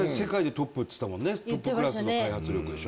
トップクラスの開発力でしょ。